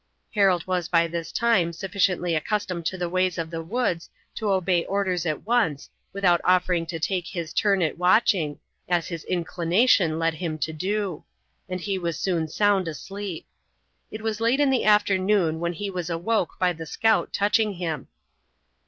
Harold was by this time sufficiently accustomed to the ways of the woods to obey orders at once without offering to take his turn at watching, as his inclination led him to do, and he was soon sound asleep. It was late in the afternoon when he was awoke by the scout touching him.